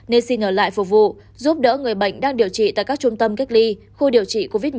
nên xin ở lại phục vụ giúp đỡ người bệnh đang điều trị tại các trung tâm cách ly khu điều trị covid một mươi chín